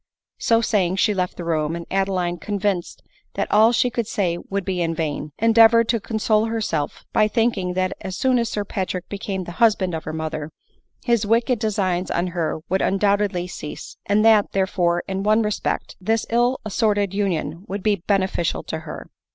So saying, she left the room; and Adeline, convinced that all she could say would be in vain, endeavored to console herself, by think ing, that as soon as Sir Patrick became the husband of her mother, his wicked designs on her would undoubt edly cease ; and that, therefore, in one respect, this ill assorted union would be beneficial to her.